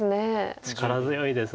力強いです。